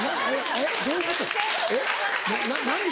えっどういうこと？